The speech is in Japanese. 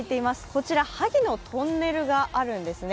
こちらハギのトンネルもあるんですね。